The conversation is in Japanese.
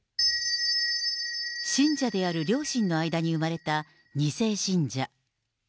信者である両親の間に生まれた２世信者。